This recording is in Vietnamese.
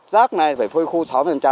rác này phải phơi khô sáu